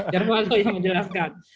yerfado yang menjelaskan